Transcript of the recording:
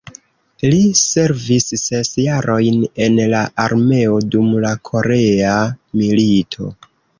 Li servis ses jarojn en la armeo dum la Korea milito.